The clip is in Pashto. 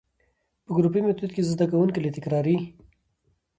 په ګروپي ميتود کي زده کوونکي له تکراري،